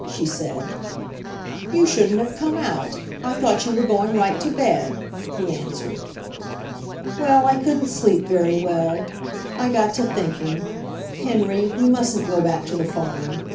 she said. "You shouldn't have come out ; I thought you were going right to bed," he answered. "Well, I couldn't sleep very well. I got to thinking — Henry, we mustn't go back to the farm.